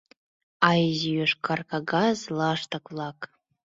А изи йошкар кагаз лаштык-влак